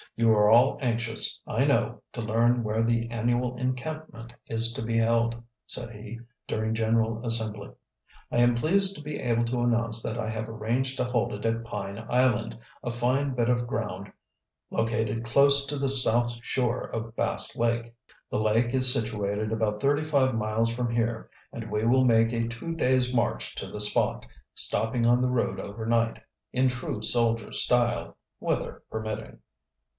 "You are all anxious, I know, to learn where the annual encampment is to be held," said he, during general assembly. "I am pleased to be able to announce that I have arranged to hold it at Pine Island, a fine bit of ground, located close to the south shore of Bass Lake. The lake is situated about thirty five miles from here, and we will make a two days' march to the spot, stopping on the road over night, in true soldier style, weather permitting."